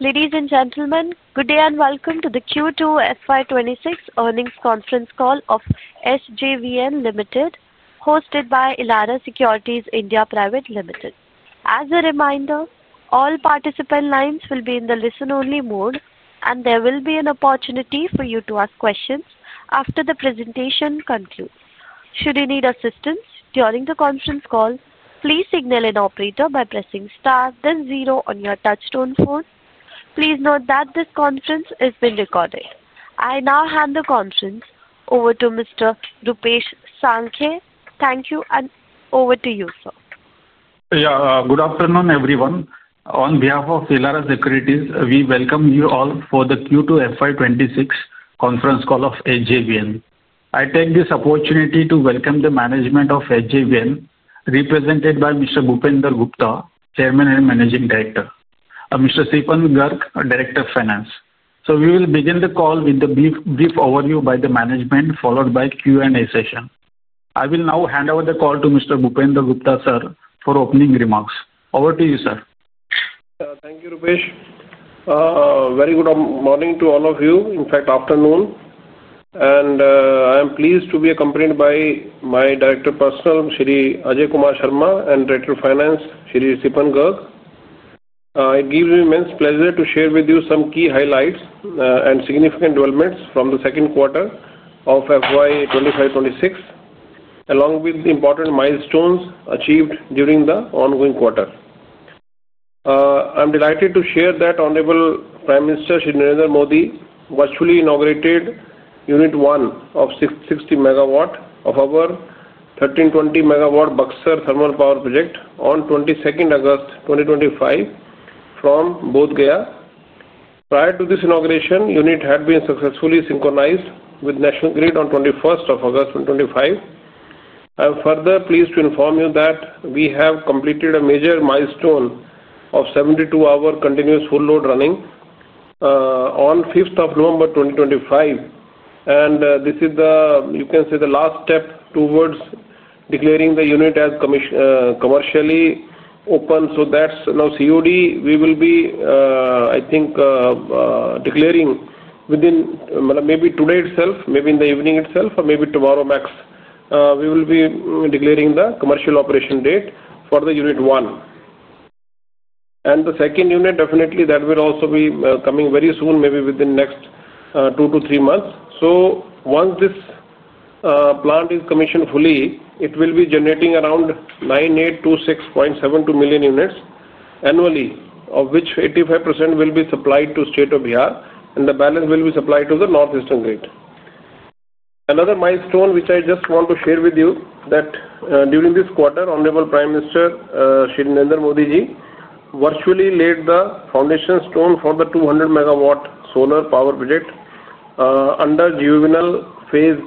Ladies and gentlemen, good day and welcome to the Q2 FY 2026 earnings conference call of SJVN Limited, hosted by Elara Securities India Private Limited. As a reminder, all participant lines will be in the listen-only mode, and there will be an opportunity for you to ask questions after the presentation concludes. Should you need assistance during the conference call, please signal an operator by pressing star, then zero on your touchstone phone. Please note that this conference is being recorded. I now hand the conference over to Mr. Rupesh Sankhe. Thank you, and over to you, sir. Yeah, good afternoon, everyone. On behalf of Elara Securities, we welcome you all for the Q2 FY 2026 conference call of SJVN. I take this opportunity to welcome the management of SJVN, represented by Mr. Bhupender Gupta, Chairman and Managing Director, and Mr. Sipan Garg, Director of Finance. So we will begin the call with a brief overview by the management, followed by a Q&A session. I will now hand over the call to Mr. Bhupender Gupta, sir, for opening remarks. Over to you, sir. Thank you, Rupesh. Very good morning to all of you. In fact, afternoon. I am pleased to be accompanied by my Director of Personnel, Shri Ajay Kumar Sharma, and Director of Finance, Shri Sipan Garg. It gives me immense pleasure to share with you some key highlights and significant developments from the second quarter of FY 2025- FY 2026, along with important milestones achieved during the ongoing quarter. I'm delighted to share that Honorable Prime Minister Shri Narendra Modi virtually inaugurated Unit one of 660 MW of our 1,320 MW Buxar Thermal Power Project on 22nd August 2025 from Bodh Gaya. Prior to this inauguration, the unit had been successfully synchronized with National Grid on 21st of August 2025. I am further pleased to inform you that we have completed a major milestone of 72-hour continuous full-load running on 5th of November 2025. This is the, you can say, the last step towards declaring the unit as commercially open. That is now COD. We will be, I think, declaring within, maybe today itself, maybe in the evening itself, or maybe tomorrow max, we will be declaring the commercial operation date for the Unit one. The second unit, definitely, that will also be coming very soon, maybe within the next two to three months. Once this plant is commissioned fully, it will be generating around 9,826.72 million units annually, of which 85% will be supplied to the State of Bihar, and the balance will be supplied to the North Eastern Grid. Another milestone which I just want to share with you is that during this quarter, Honorable Prime Minister Shri Narendra Modi ji virtually laid the foundation stone for the 200 MW solar power project under Phase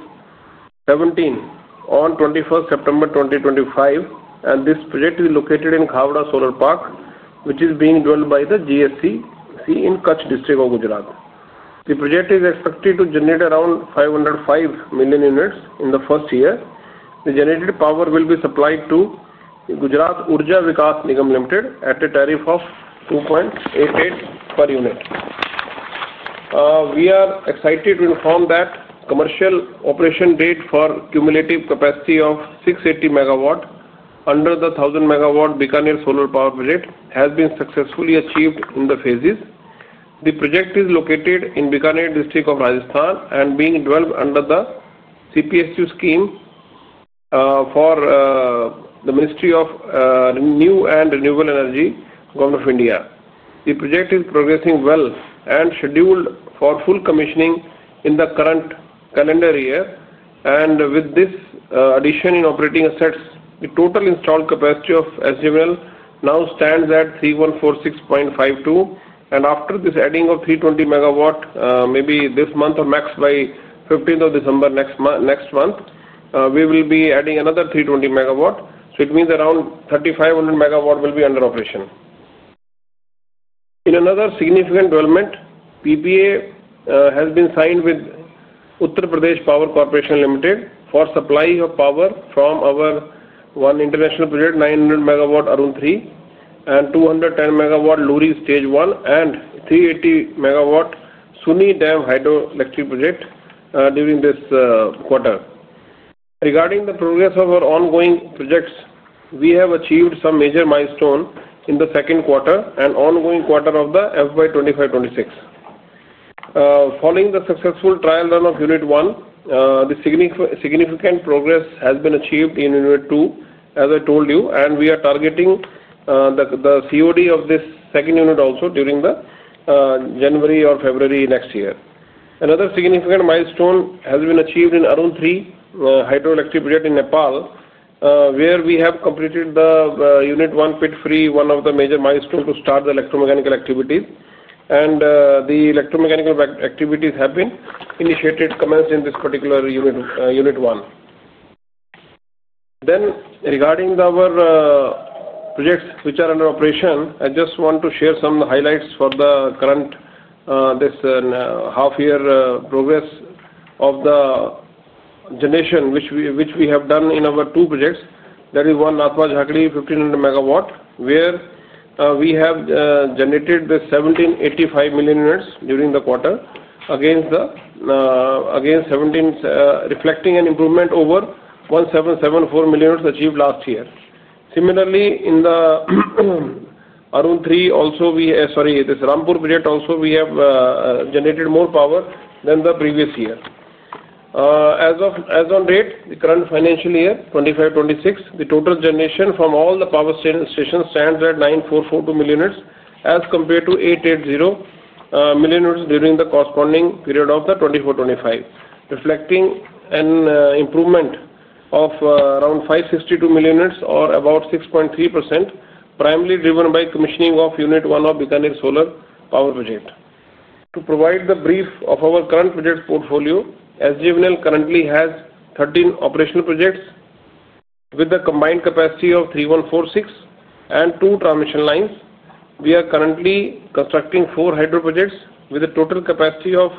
17 on 21st September 2025. This project is located in Khawda Solar Park, which is being developed by the GSC in Kachchh district of Gujarat. The project is expected to generate around 505 million units in the first year. The generated power will be supplied to Gujarat Urja Vikas Nigam Limited at a tariff of INR 2.88 per unit. We are excited to inform that the commercial operation date for the cumulative capacity of 680 MW under the 1000 MW Bikaner Solar Power Project has been successfully achieved in the phases. The project is located in Bikaner district of Rajasthan and is being developed under the CPSU scheme for the Ministry of New and Renewable Energy, Government of India. The project is progressing well and scheduled for full commissioning in the current calendar year. With this addition in operating assets, the total installed capacity of SJVN now stands at 3,146.52. After this adding of 320 MW, maybe this month or max by 15th of December next month, we will be adding another 320 MW. It means around 3,500 MW will be under operation. In another significant development, PPA has been signed with Uttar Pradesh Power Corporation Limited for the supply of power from our one international project, 900 MW Arun 3, and 210 MW Luhri Stage one, and 380 MW Sunii Dam Hydroelectric Project during this quarter. Regarding the progress of our ongoing projects, we have achieved some major milestones in the second quarter and ongoing quarter of the FY 2025-FY 2026. Following the successful trial run of Unit one, significant progress has been achieved in Unit two, as I told you, and we are targeting the COD of this second unit also during January or February next year. Another significant milestone has been achieved in Arun 3 Hydroelectric Project in Nepal, where we have completed the Unit 1 Pit 3, one of the major milestones to start the electromechanical activities. The electromechanical activities have been initiated, commenced in this particular Unit one. Regarding our projects which are under operation, I just want to share some highlights for the current half-year progress of the generation which we have done in our two projects. There is one Nathpa Jhakri, 1500 MW, where we have generated 1785 million units during the quarter, again reflecting an improvement over 1774 million units achieved last year. Similarly, in the Arun 3, also we have, sorry, this Rampur project, also we have generated more power than the previous year. As of date, the current financial year 2025-2026, the total generation from all the power stations stands at 9442 million units as compared to 8880 million units during the corresponding period of 2024-2025, reflecting an improvement of around 562 million units or about 6.3%, primarily driven by the commissioning of Unit one of Bikaner Solar Power Project. To provide the brief of our current project portfolio, SJVN currently has 13 operational projects with a combined capacity of 3146 and 2 transmission lines. We are currently constructing four hydro projects with a total capacity of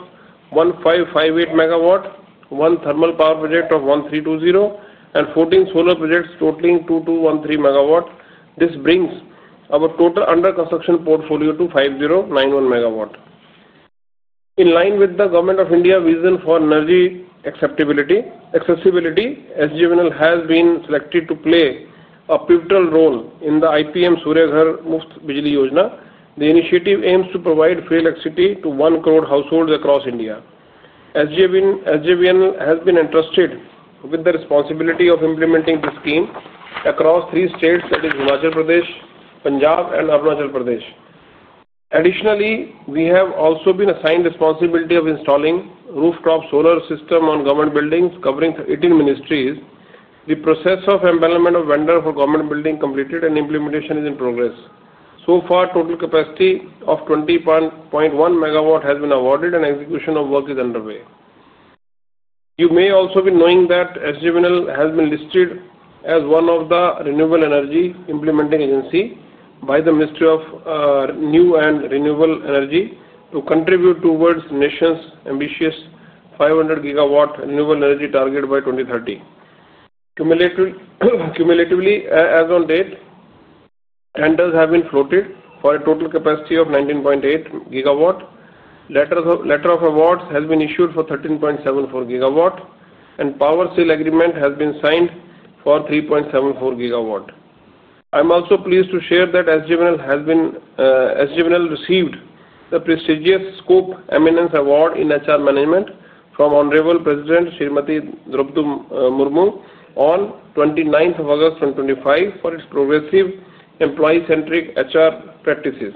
1,558 MW, one thermal power project of 1,320, and 14 solar projects totaling 2,213 MW. This brings our total under construction portfolio to 5,091 MW. In line with the Government of India vision for energy accessibility, SJVN has been selected to play a pivotal role in the PM Surya Ghar: Muft Bijli Yojana. The initiative aims to provide free electricity to one crore households across India. SJVN has been entrusted with the responsibility of implementing the scheme across three states, that is, Himachal Pradesh, Punjab, and Arunachal Pradesh. Additionally, we have also been assigned the responsibility of installing a rooftop solar system on government buildings, covering 18 ministries. The process of empanelment of vendors for government buildings is completed, and implementation is in progress. So far, a total capacity of 20.1 MW has been awarded, and execution of work is underway. You may also be knowing that SJVN has been listed as one of the renewable energy implementing agencies by the Ministry of New and Renewable Energy to contribute towards the nation's ambitious 500 GW renewable energy target by 2030. Cumulatively, as of date, tenders have been floated for a total capacity of 19.8 GW. Letters of awards have been issued for 13.74 GW, and a power sale agreement has been signed for 3.74 GW. I am also pleased to share that SJVN has received the prestigious Scope Eminence Award in HR Management from Honorable President Smt. Droupadi Murmu on 29th of August 2025 for its progressive employee-centric HR practices.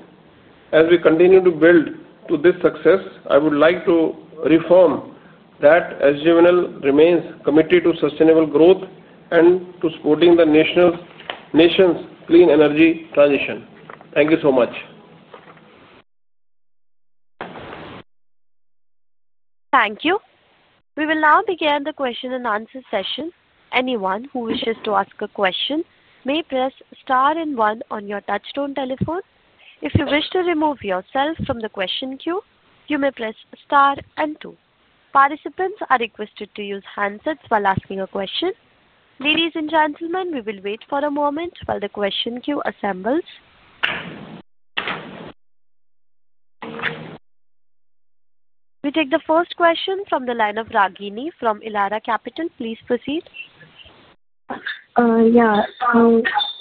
As we continue to build to this success, I would like to reaffirm that SJVN remains committed to sustainable growth and to supporting the nation's clean energy transition. Thank you so much. Thank you. We will now begin the question and answer session. Anyone who wishes to ask a question may press star and one on your touch-tone telephone. If you wish to remove yourself from the question queue, you may press star and two. Participants are requested to use handsets while asking a question. Ladies and gentlemen, we will wait for a moment while the question queue assembles. We take the first question from the line of Ragini from Elara Capital. Please proceed. Yeah.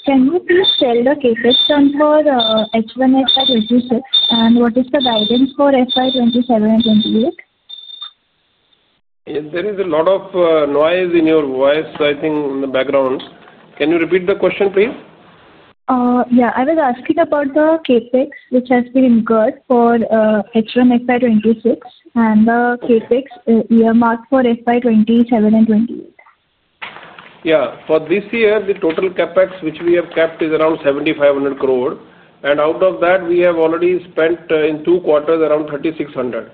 Can you please tell the cases from H1, FY 2026, and what is the guidance for FY2027 and FY 2028? There is a lot of noise in your voice, I think, in the background. Can you repeat the question, please? Yeah. I was asking about the CapEx, which has been incurred for H1, FY 2026, and the CapEx earmarked for FY 2027 and FY 2028. Yeah. For this year, the total CapEx which we have capped is around 7,500 crore. Out of that, we have already spent in two quarters around 3,600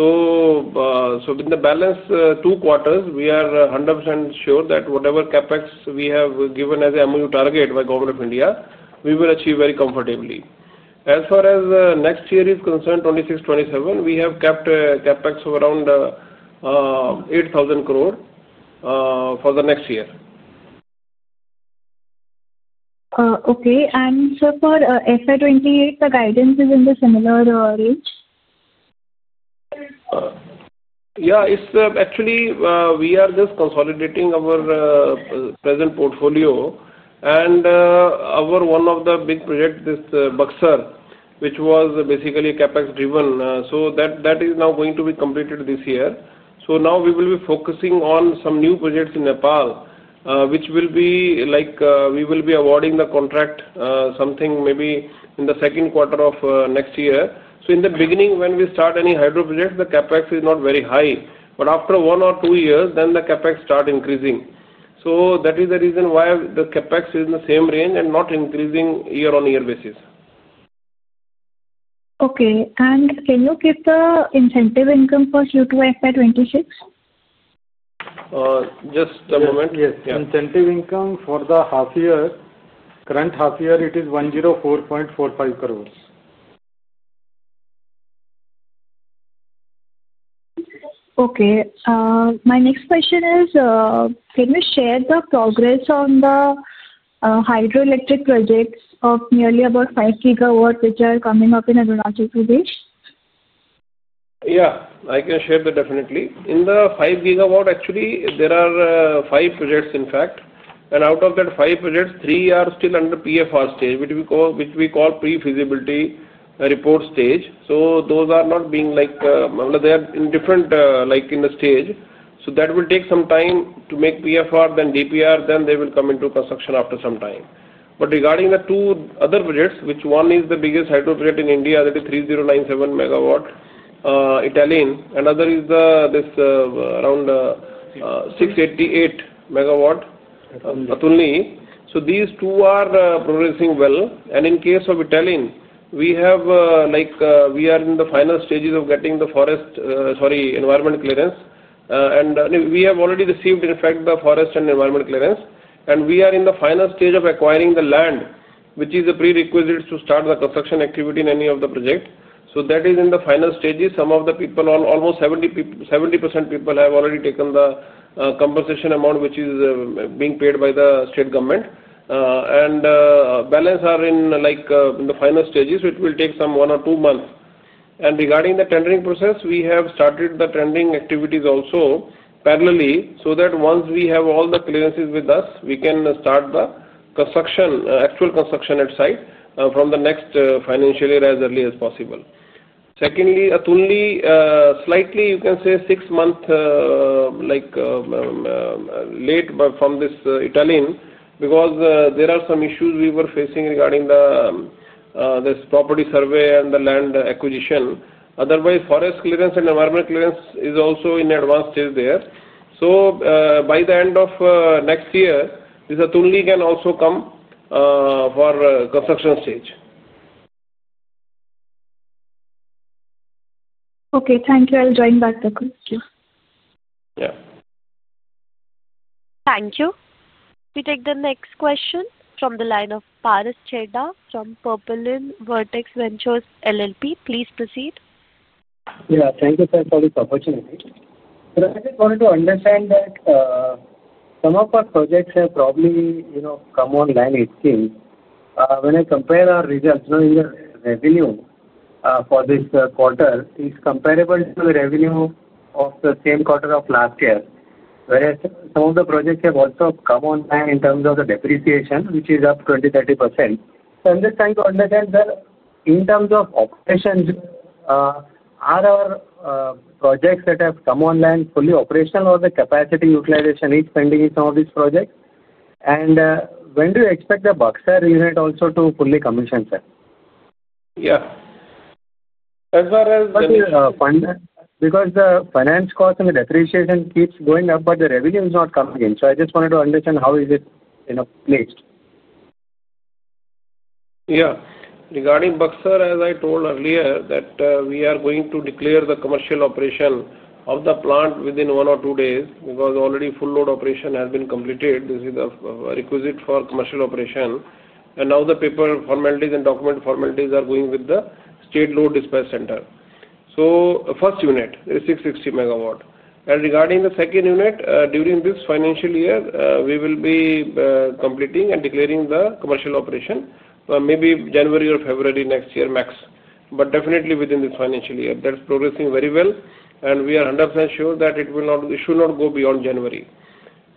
crore. With the balance two quarters, we are 100% sure that whatever CapEx we have given as an MOU target by Government of India, we will achieve very comfortably. As far as next year is concerned, 2026-2027, we have capped CapEx of around 8,000 crore for the next year. Okay. And for FY 2028, the guidance is in the similar range? Yeah. Actually, we are just consolidating our present portfolio. One of the big projects is Buxar, which was basically CapEx-driven. That is now going to be completed this year. Now we will be focusing on some new projects in Nepal, which will be like we will be awarding the contract something maybe in the second quarter of next year. In the beginning, when we start any hydro projects, the CapEx is not very high. After one or two years, then the CapEx starts increasing. That is the reason why the CapEx is in the same range and not increasing year-on-year basis. Okay. Can you give the incentive income for Q2 FY 2026? Just a moment. Incentive income for the half-year, current half-year, it is INR 104.45 crore. Okay. My next question is, can you share the progress on the hydroelectric projects of nearly about 5 GW, which are coming up in Arunachal Pradesh? Yeah. I can share that definitely. In the 5 GW, actually, there are five projects, in fact. Out of that five projects, three are still under PFR stage, which we call pre-feasibility report stage. Those are not being, like, they are in different stage, so that will take some time to make PFR, then DPR, then they will come into construction after some time. Regarding the two other projects, one is the biggest hydro project in India, that is 3,097 MW, Etalin. Another is around 688 MW, Athunli. These two are progressing well. In case of Etalin, we are in the final stages of getting the environment clearance. We have already received, in fact, the forest and environment clearance. We are in the final stage of acquiring the land, which is the prerequisite to start the construction activity in any of the projects. That is in the final stages. Some of the people, almost 70% of people, have already taken the compensation amount, which is being paid by the state government. The balance are in the final stages, so it will take one or two months. Regarding the tendering process, we have started the tendering activities also parallelly so that once we have all the clearances with us, we can start the actual construction at site from the next financial year as early as possible. Secondly, Athunli, slightly, you can say, six months late from this Italian because there are some issues we were facing regarding this property survey and the land acquisition. Otherwise, forest clearance and environment clearance is also in the advanced stage there. By the end of next year, this Athunli can also come for the construction stage. Okay. Thank you. I'll join back the question. Yeah. Thank you. We take the next question from the line of Paras Cherda from Purple Limb Vertex Ventures LLP. Please proceed. Yeah. Thank you, sir, for this opportunity. I just wanted to understand that some of our projects have probably come on line. When I compare our results in the revenue for this quarter, it is comparable to the revenue of the same quarter of last year, whereas some of the projects have also come on line in terms of the depreciation, which is up 20%-30%. I am just trying to understand, sir, in terms of operations, are our projects that have come on line fully operational, or is the capacity utilization pending in some of these projects? When do you expect the Buxar unit also to fully commission, sir? Yeah. As far as. Because the finance cost and the depreciation keeps going up, but the revenue is not coming in. I just wanted to understand how is it placed. Yeah. Regarding Buxar, as I told earlier, we are going to declare the commercial operation of the plant within one or two days because already full load operation has been completed. This is a requisite for commercial operation. Now the paper formalities and document formalities are going with the state load dispatch center. The first unit is 660 MW. Regarding the second unit, during this financial year, we will be completing and declaring the commercial operation maybe January or February next year max. Definitely within this financial year. That is progressing very well. We are 100% sure that it should not go beyond January.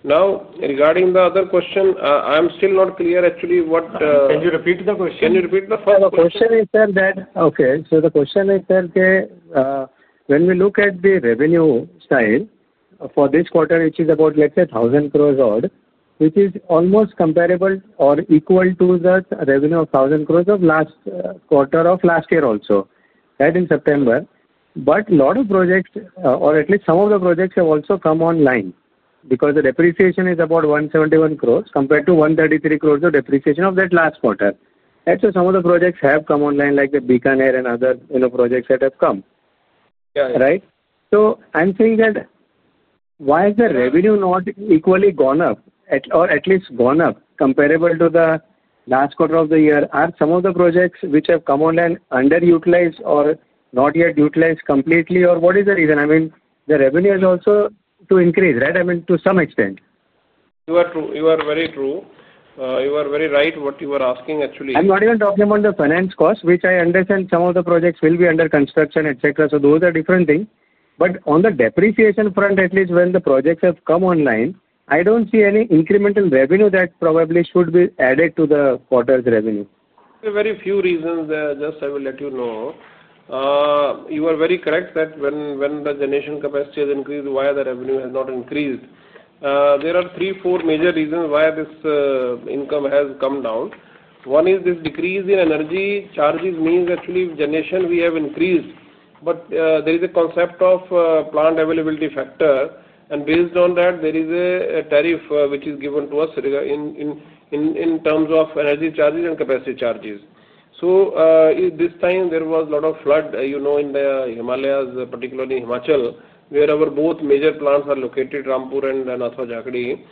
Now, regarding the other question, I am still not clear, actually, what. Can you repeat the question? Can you repeat the first question? The question is, sir, that okay. The question is, sir, when we look at the revenue style for this quarter, which is about, let's say, 1,000 crore odd, which is almost comparable or equal to the revenue of 1,000 crore of last quarter of last year also, that is September. A lot of projects, or at least some of the projects, have also come online because the depreciation is about 171 crore compared to 133 crore of depreciation of that last quarter. That is why some of the projects have come online, like the Bikaner and other projects that have come. Right? I am saying that why has the revenue not equally gone up, or at least gone up, comparable to the last quarter of the year? Are some of the projects which have come online underutilized or not yet utilized completely? What is the reason? I mean, the revenue is also to increase, right? I mean, to some extent. You are very true. You are very right what you are asking, actually. I'm not even talking about the finance cost, which I understand some of the projects will be under construction, etc. Those are different things. On the depreciation front, at least when the projects have come online, I don't see any incremental revenue that probably should be added to the quarter's revenue. There are very few reasons, just I will let you know. You are very correct that when the generation capacity has increased, why the revenue has not increased. There are three, four major reasons why this income has come down. One is this decrease in energy charges means, actually, generation we have increased. But there is a concept of plant availability factor. And based on that, there is a tariff which is given to us in terms of energy charges and capacity charges. This time, there was a lot of flood in the Himalayas, particularly Himachal, where our both major plants are located, Rampur and Nathpa Jhakri.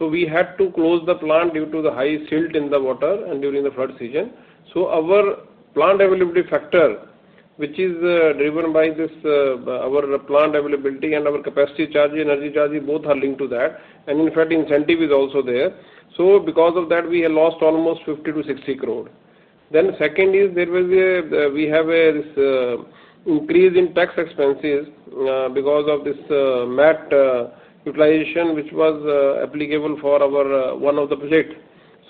We had to close the plant due to the high silt in the water and during the flood season. Our plant availability factor, which is driven by our plant availability and our capacity charge, energy charge, both are linked to that. In fact, incentive is also there. Because of that, we have lost almost 50 crore-60 crore. There was an increase in tax expenses because of this MAT utilization, which was applicable for one of the projects.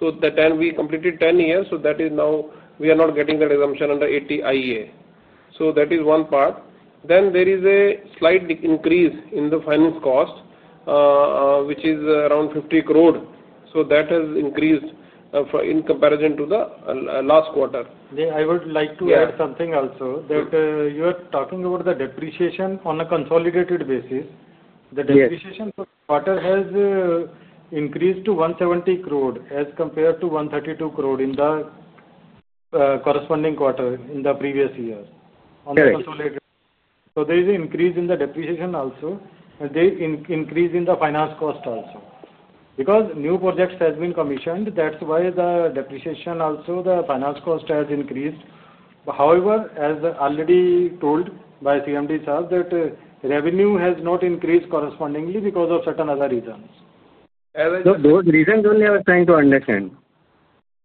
We completed 10 years, so now we are not getting that exemption under 80 IEA. That is one part. There is a slight increase in the finance cost, which is around 50 crore. That has increased in comparison to the last quarter. I would like to add something also. You are talking about the depreciation on a consolidated basis. The depreciation for the quarter has increased to 170 crore as compared to 132 crore in the corresponding quarter in the previous year. There is an increase in the depreciation also and increase in the finance cost also. Because new projects have been commissioned, that is why the depreciation also, the finance cost has increased. However, as already told by CMD itself, revenue has not increased correspondingly because of certain other reasons. Those reasons only I was trying to understand.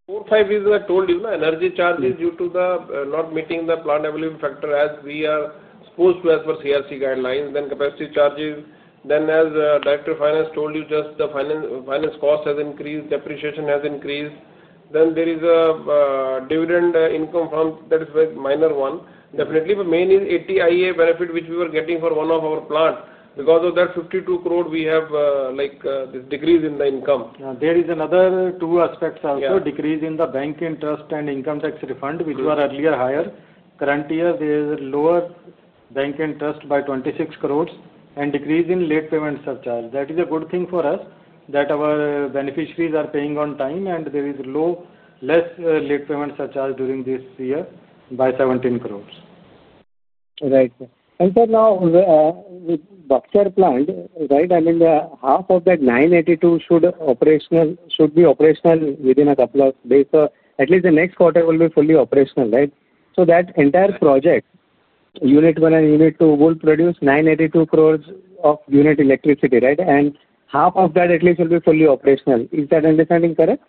Four, five reasons I told you, energy charges due to not meeting the plant availability factor as we are supposed to as per CERC guidelines, then capacity charges. Then as Director of Finance told you, just the finance cost has increased, depreciation has increased. Then there is a dividend income from that is minor one. Definitely, the main is 80 IEA benefit, which we were getting for one of our plants. Because of that, 52 crore, we have this decrease in the income. There is another two aspects also, decrease in the bank interest and income tax refund, which were earlier higher. Current year, there is a lower bank interest by 26 crore and decrease in late payment surcharge. That is a good thing for us that our beneficiaries are paying on time, and there is less late payment surcharge during this year by 17 crore. Right. And sir, now with Buxar plant, right, I mean, half of that 982 units should be operational within a couple of days. At least the next quarter will be fully operational, right? That entire project, unit one and unit two, will produce 982 crore units of electricity, right? Half of that at least will be fully operational. Is that understanding correct?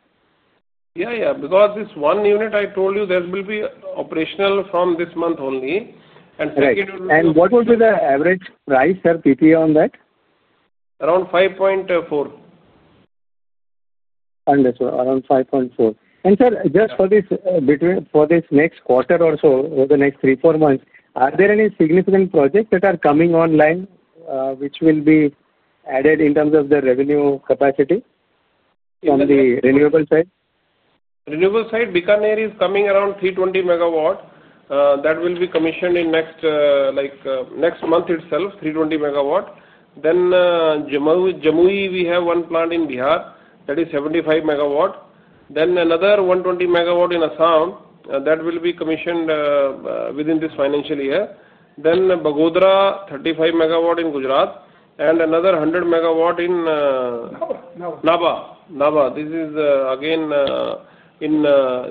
Yeah, yeah. Because this one unit I told you, that will be operational from this month only. And second. What would be the average price, sir, PPA on that? Around 5.4 crore. Understood. Around 5.4 crore. And sir, just for this next quarter or so, for the next three, four months, are there any significant projects that are coming online which will be added in terms of the revenue capacity on the renewable side? Renewable side, Bikaner is coming around 320 MW. That will be commissioned in next month itself, 320 MW. Jamui, we have one plant in Bihar that is 75 MW. Another 120 MW in Assam. That will be commissioned within this financial year. Bagodra, 35 MW in Gujarat, and another 100 MW in Naba. This is again in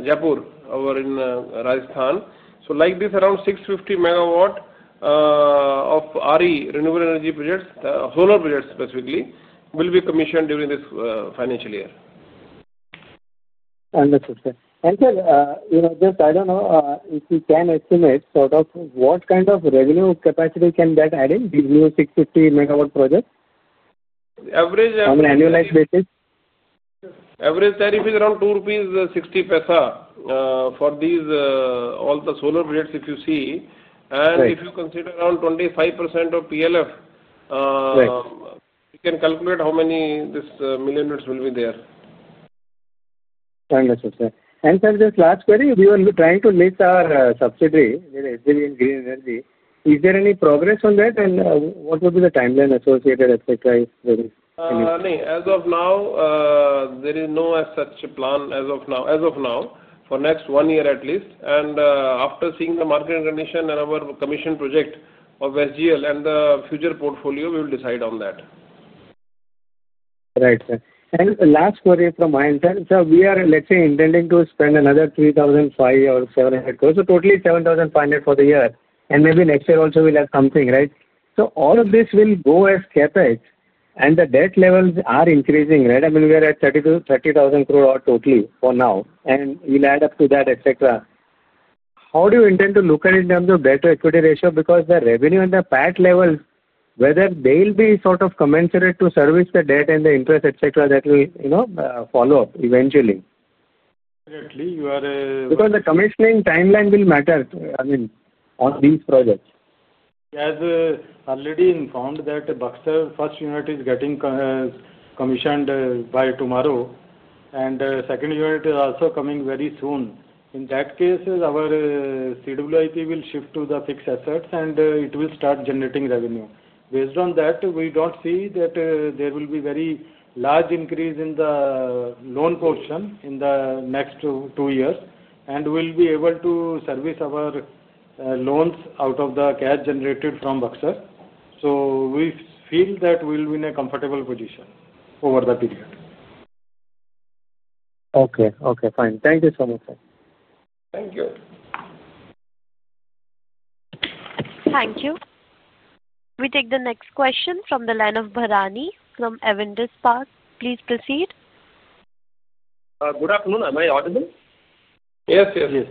Jaipur or in Rajasthan. Like this, around 650 MW of RE, renewable energy projects, solar projects specifically, will be commissioned during this financial year. Understood, sir. Sir, just, I do not know if you can estimate sort of what kind of revenue capacity can that add in, these new 650 MW projects? Average. On an annualized basis? Average tariff is around 2.60 rupees for all the solar projects, if you see. If you consider around 25% of PLF, you can calculate how many million units will be there. Understood, sir. And sir, just last query, we were trying to list our subsidiary, SJVN Green Energy. Is there any progress on that? And what would be the timeline associated, etc., if there is any? No, as of now, there is no such plan as of now for next one year at least. After seeing the market condition and our commissioned project of SJVN and the future portfolio, we will decide on that. Right, sir. Last query from my end, sir, we are, let's say, intending to spend another 3,500 or 700 crore. Totally 7,500 for the year. Maybe next year also we'll add something, right? All of this will go as CapEx, and the debt levels are increasing, right? I mean, we are at 30,000 crore odd totally for now. We'll add up to that, etc. How do you intend to look at it in terms of debt-to-equity ratio? Because the revenue and the PAT levels, whether they'll be sort of commensurate to service the debt and the interest, etc., that will follow up eventually. Definitely. You are a. Because the commissioning timeline will matter, I mean, on these projects. We have already found that Buxar's first unit is getting commissioned by tomorrow. The second unit is also coming very soon. In that case, our CWIP will shift to the fixed assets, and it will start generating revenue. Based on that, we do not see that there will be a very large increase in the loan portion in the next two years. We will be able to service our loans out of the cash generated from Buxar. We feel that we will be in a comfortable position over the period. Okay. Okay. Fine. Thank you so much, sir. Thank you. Thank you. We take the next question from the line of Bharani from [Evindus Park]. Please proceed. Good afternoon. Am I audible? Yes, yes. Yes.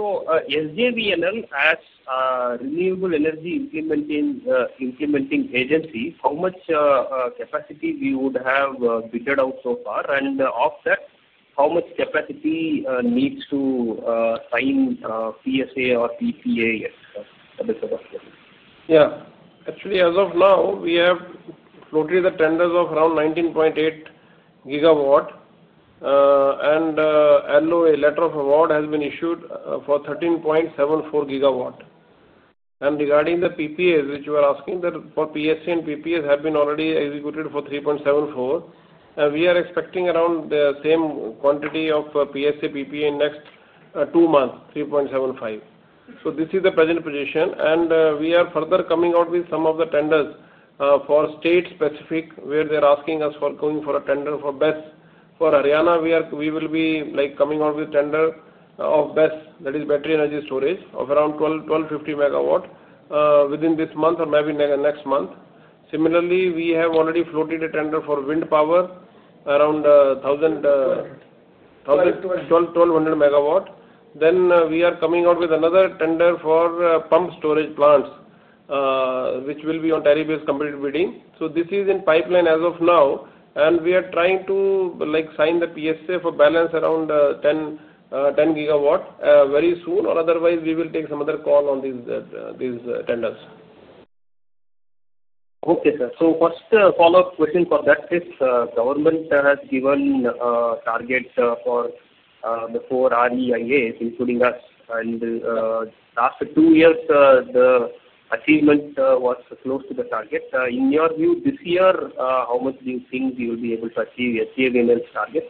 SJVN as a renewable energy implementing agency, how much capacity would you have figured out so far? And of that, how much capacity needs to sign PSA or PPA? Yeah. Actually, as of now, we have floated the tenders of around 19.8 GW. Letter of award has been issued for 13.74 GW. Regarding the PPAs, which you are asking, PSA and PPAs have been already executed for 3.74. We are expecting around the same quantity of PSA/PPA in the next two months, 3.75. This is the present position. We are further coming out with some of the tenders for state-specific, where they are asking us for going for a tender for BESS. For Haryana, we will be coming out with a tender of BESS, that is battery energy storage, of around 1,250 MW within this month or maybe next month. Similarly, we have already floated a tender for wind power, around 1,200 MW. We are coming out with another tender for pump storage plants, which will be on tariff-based competitive bidding. This is in pipeline as of now. We are trying to sign the PSA for balance around 10 GW very soon. Otherwise, we will take some other call on these tenders. Okay, sir. First follow-up question for that case, government has given targets for the four REIAs, including us. In the last two years, the achievement was close to the target. In your view, this year, how much do you think you will be able to achieve SJVN's target?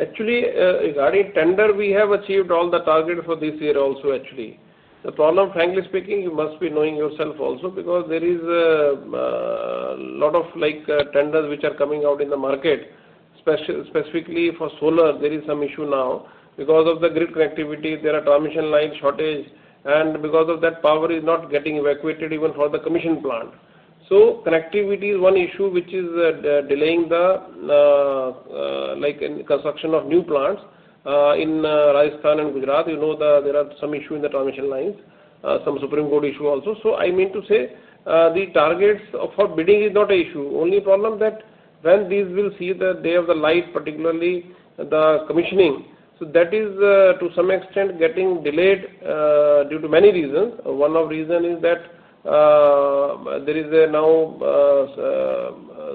Actually, regarding tender, we have achieved all the targets for this year also, actually. The problem, frankly speaking, you must be knowing yourself also, because there is a lot of tenders which are coming out in the market, specifically for solar. There is some issue now. Because of the grid connectivity, there are transmission line shortages. Because of that, power is not getting evacuated even for the commissioned plant. Connectivity is one issue which is delaying the construction of new plants in Rajasthan and Gujarat. You know there are some issues in the transmission lines, some Supreme Court issue also. I mean to say the targets for bidding is not an issue. Only problem is that when these will see the day of the light, particularly the commissioning. That is, to some extent, getting delayed due to many reasons. One of the reasons is that there is now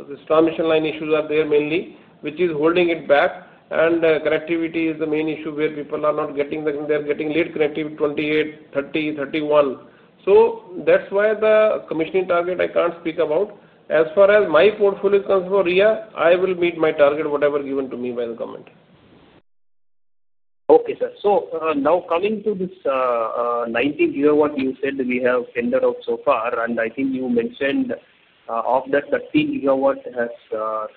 this transmission line issues are there mainly, which is holding it back. Connectivity is the main issue where people are not getting the they are getting late connectivity, 28, 30, 31. That is why the commissioning target I can't speak about. As far as my portfolio comes for REIA, I will meet my target, whatever given to me by the government. Okay, sir. Now coming to this 19 GW, you said we have tendered out so far. I think you mentioned of that 13 GW has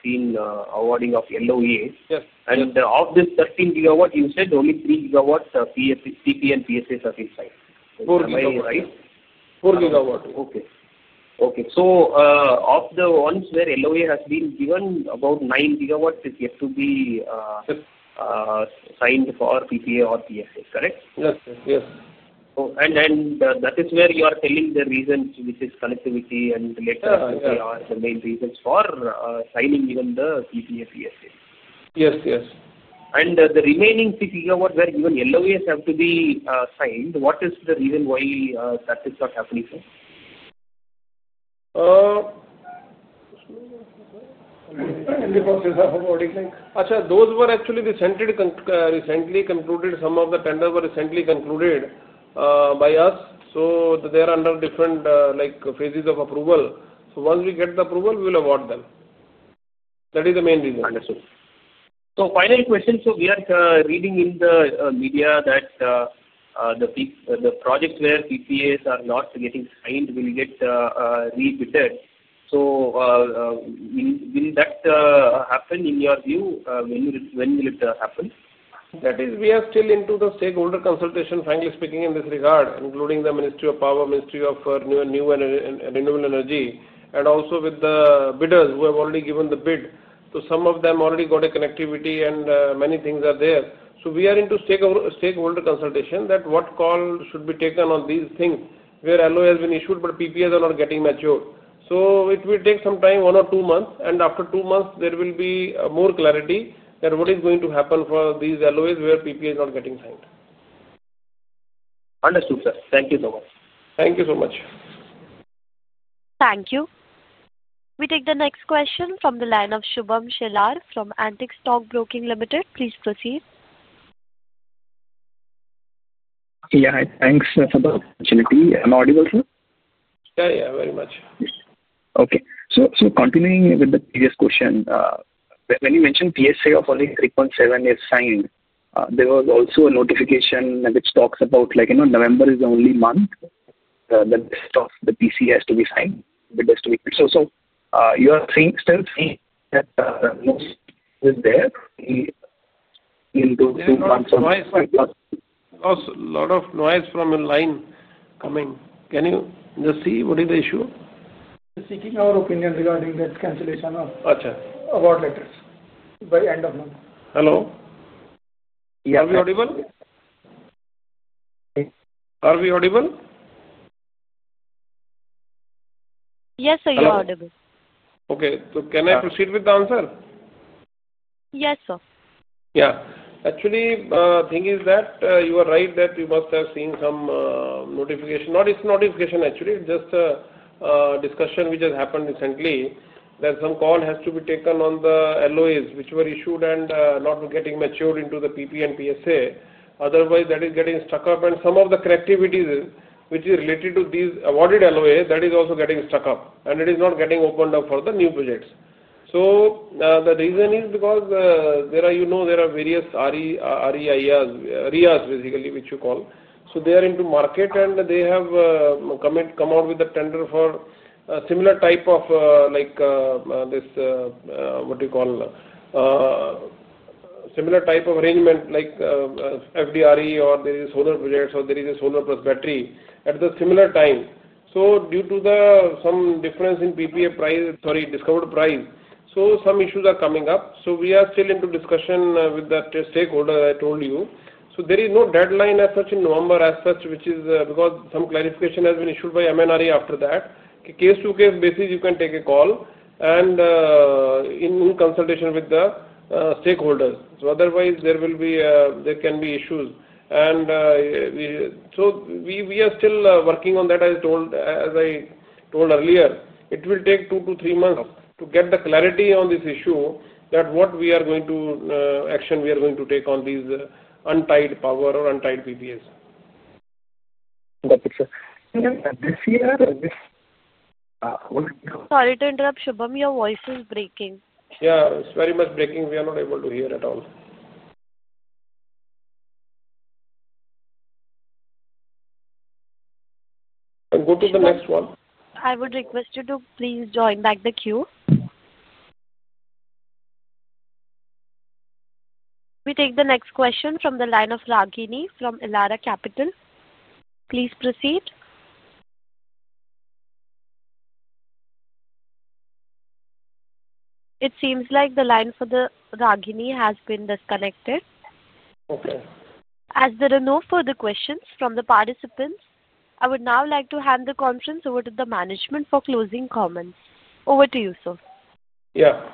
seen awarding of LOA. Of this 13 GW, you said only 3 GW PPA and PSAs have been signed. 4 GW. Right? 4 GW. Okay. Okay. So of the ones where LOA has been given, about 9 GW is yet to be signed for PPA or PSA, correct? Yes, yes. That is where you are telling the reasons, which is connectivity and related to PPA, are the main reasons for signing even the PPA/PSA. Yes, yes. The remaining 3 GW where even LOAs have to be signed, what is the reason why that is not happening now? Those were actually recently concluded. Some of the tenders were recently concluded by us. They are under different phases of approval. Once we get the approval, we will award them. That is the main reason. Understood. Final question. We are reading in the media that the projects where PPAs are not getting signed will get re-bidded. Will that happen in your view? When will it happen? That is, we are still into the stakeholder consultation, frankly speaking, in this regard, including the Ministry of Power, Ministry of Renewable Energy, and also with the bidders who have already given the bid. Some of them already got a connectivity and many things are there. We are into stakeholder consultation that what call should be taken on these things where LOA has been issued but PPAs are not getting matured. It will take some time, one or two months. After two months, there will be more clarity that what is going to happen for these LOAs where PPA is not getting signed. Understood, sir. Thank you so much. Thank you so much. Thank you. We take the next question from the line of Shubham Shelar from Antique Stock Broking Limited. Please proceed. Yeah, thanks for the opportunity. I'm audible, sir? Yeah, yeah, very much. Okay. Continuing with the previous question, when you mentioned PSA of only 3.7 is signed, there was also a notification which talks about November is the only month that the PC has to be signed, bid has to be made. You are still seeing that noise is there into two months or? Noise, noise. A lot of noise from a line coming. Can you just see what is the issue? Seeking our opinion regarding that cancellation of award letters by end of month. Hello? Yes. Are we audible? Are we audible? Yes, sir, you are audible. Okay. So can I proceed with the answer? Yes, sir. Yeah. Actually, the thing is that you are right that you must have seen some notification. Not it's notification, actually, just a discussion which has happened recently. There's some call has to be taken on the LOAs which were issued and not getting matured into the PPA and PSA. Otherwise, that is getting stuck up. Some of the connectivity which is related to these awarded LOAs, that is also getting stuck up. It is not getting opened up for the new projects. The reason is because there are various REIAs, REAs basically, which you call. They are into market, and they have come out with a tender for a similar type of this, what do you call, similar type of arrangement like FDRE or there is solar projects or there is a solar plus battery at the similar time. Due to some difference in PPA price, sorry, discovered price, some issues are coming up. We are still into discussion with that stakeholder I told you. There is no deadline as such in November, which is because some clarification has been issued by MNRE after that. Case-by-case basis, you can take a call and in consultation with the stakeholders. Otherwise, there can be issues. We are still working on that, as I told earlier. It will take two to three months to get the clarity on this issue, what action we are going to take on these untied power or untied PPAs. Got it, sir. Sorry to interrupt, Shubham, your voice is breaking. Yeah, it's very much breaking. We are not able to hear at all. Go to the next one. I would request you to please join back the queue. We take the next question from the line of Ragini from Elara Capital. Please proceed. It seems like the line for Ragini has been disconnected. Okay. As there are no further questions from the participants, I would now like to hand the conference over to the management for closing comments. Over to you, sir. Yeah.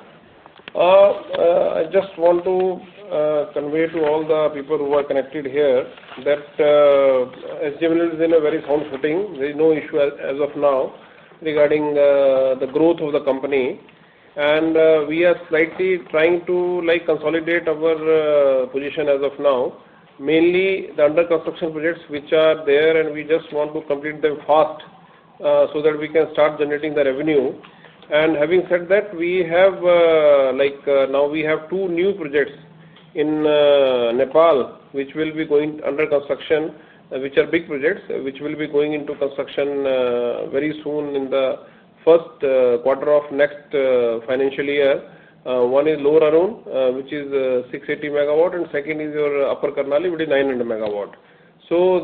I just want to convey to all the people who are connected here that SJVN is in a very sound footing. There is no issue as of now regarding the growth of the company. We are slightly trying to consolidate our position as of now, mainly the under-construction projects which are there. We just want to complete them fast so that we can start generating the revenue. Having said that, we have now two new projects in Nepal which will be going under construction, which are big projects which will be going into construction very soon in the first quarter of next financial year. One is Lower Arun, which is 680 MW, and second is your Upper Karnali with 900 MW.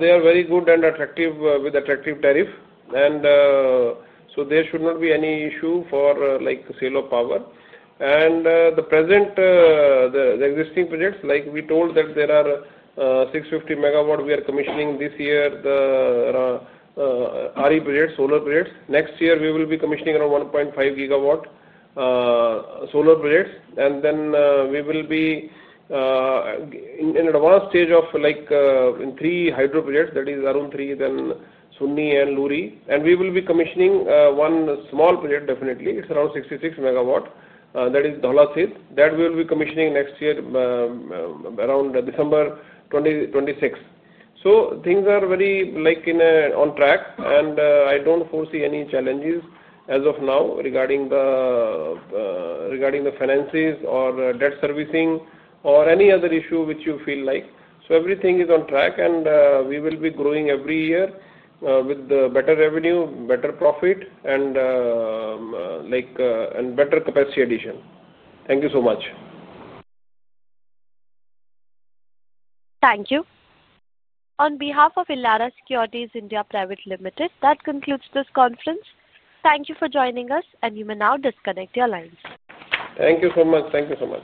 They are very good and attractive with attractive tariff. There should not be any issue for sale of power. The present existing projects, like we told, there are 650 MW we are commissioning this year, the RE projects, solar projects. Next year, we will be commissioning around 1.5 GW solar projects. We will be in advanced stage of three hydro projects, that is Arun 3, then Sunii and Luhri. We will be commissioning one small project, definitely. It is around 66 MW. That is Dholasidh. That we will be commissioning next year, around December 2026. Things are very on track. I do not foresee any challenges as of now regarding the finances or debt servicing or any other issue which you feel like. Everything is on track. We will be growing every year with better revenue, better profit, and better capacity addition. Thank you so much. Thank you. On behalf of Elara Securities India Private Limited, that concludes this conference. Thank you for joining us, and you may now disconnect your lines. Thank you so much.